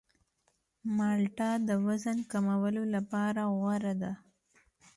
مالټه د وزن کمولو لپاره غوره ده.